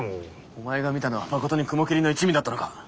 お前が見たのはまことに雲霧の一味だったのか？